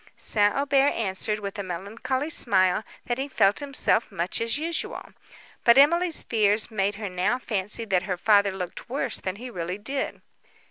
St. Aubert answered, with a melancholy smile, that he felt himself much as usual; but Emily's fears made her now fancy that her father looked worse than he really did.